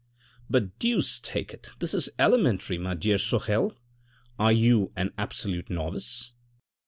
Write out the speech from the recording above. " But, deuce take it, this is elementary, my dear Sorel, are you an absolute novice